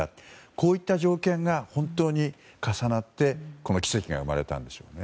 こういった条件が本当に重なってこの奇跡が生まれたんでしょうね。